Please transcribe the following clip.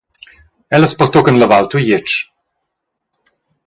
Ellas pertuccan la Val Tujetsch.